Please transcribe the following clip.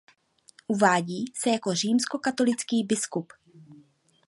Uvádí se jako římskokatolický biskup.